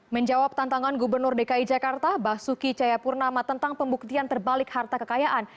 menjawab tantangan gubernur dki jakarta basuki cayapurnama tentang pembuktian terbalik harta kekayaan